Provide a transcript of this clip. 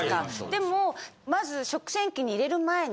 でもまず。